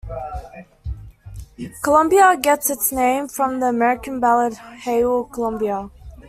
Columbia gets its name from the American ballad "Hail, Columbia".